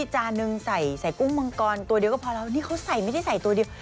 จานนึงใส่ใส่กุ้งมังกรตัวเดียวก็พอแล้วนี่เขาใส่ไม่ได้ใส่ตัวเดียว